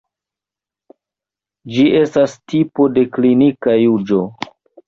Ĝi estas tipo de klinika juĝo.